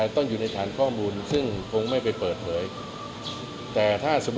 ต้องอยู่ในฐานข้อมูลคงไม่ได้ไปเปิดเลย